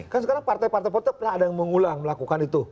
kan sekarang partai partai pernah ada yang mengulang melakukan itu